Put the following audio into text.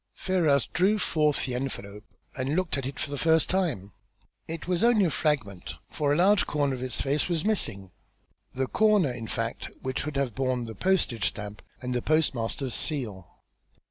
Ferrars drew forth the envelope and looked at it for the first time. It was only a fragment, for a large corner of its face was missing, the corner, in fact, which should have borne the postage stamp and the postmaster's seal.